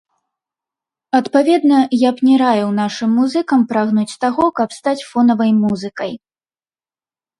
Адпаведна, я б не раіў нашым музыкам прагнуць таго, каб стаць фонавай музыкай.